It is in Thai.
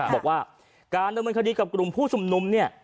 บอกว่าการดำเนินคดีกับกลุ่มผู้ชุมนุมเนี่ย